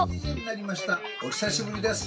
お久しぶりです。